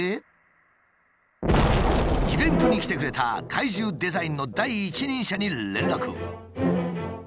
イベントに来てくれた怪獣デザインの第一人者に連絡。